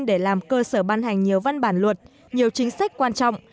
để làm cơ sở ban hành nhiều văn bản luật nhiều chính sách quan trọng